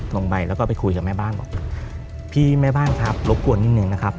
ลงไปแล้วก็ไปคุยกับแม่บ้านบอกพี่แม่บ้านครับรบกวนนิดนึงนะครับ